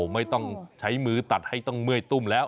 ไม่ต้องใช้มือตัดให้ต้องเมื่อยตุ้มแล้ว